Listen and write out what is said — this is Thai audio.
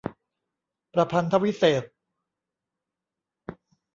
ประพันธวิเศษณ์